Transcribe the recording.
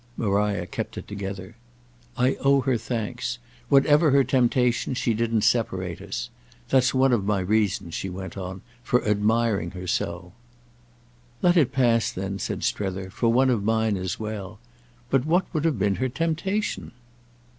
Maria kept it together. "I owe her thanks. Whatever her temptation she didn't separate us. That's one of my reasons," she went on "for admiring her so." "Let it pass then," said Strether, "for one of mine as well. But what would have been her temptation?"